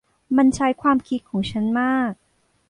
มันใช้ความคิดของฉันมาก